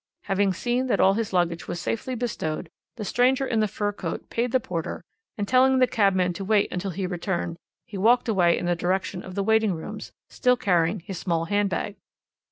Having seen that all his luggage was safely bestowed, the stranger in the fur coat paid the porter, and, telling the cabman to wait until he returned, he walked away in the direction of the waiting rooms, still carrying his small hand bag.